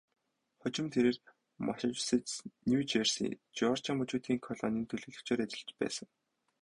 Хожим нь тэрээр Массачусетс, Нью Жерси, Жеоржия мужуудын колонийн төлөөлөгчөөр ажиллаж байсан.